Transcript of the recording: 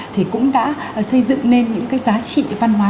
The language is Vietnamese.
thì cũng đã xây dựng nên những cái giá trị văn hóa